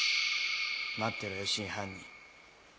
待ってろよ真犯人。